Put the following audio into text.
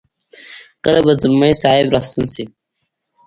کله به ځلمی صاحب را ستون شي.